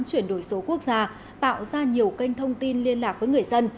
chuyển đổi số quốc gia tạo ra nhiều kênh thông tin liên lạc với người dân